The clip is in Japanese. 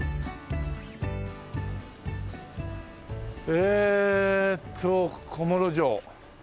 えーっと小諸城。